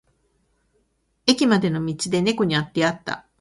駅までの道で猫に出会った。